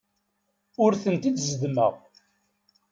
Ur ten-id-zeddmeɣ.